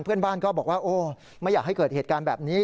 เพื่อนบ้านก็บอกว่าโอ้ไม่อยากให้เกิดเหตุการณ์แบบนี้